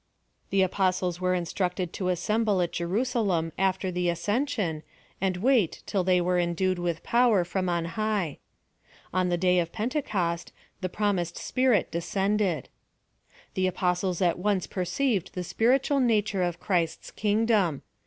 The apostles were instructed to assemble at Jerusalem after the ascension, and wait till they were endued with power from on high. On the day of Pentecost, the promised Spirit de scended. The apostles at once perceived the spirit ual nature of Christ's kingdom.